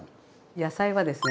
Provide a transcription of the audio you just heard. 野菜はですね